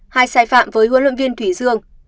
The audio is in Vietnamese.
hai sai phạm với huấn luyện viên thủy dương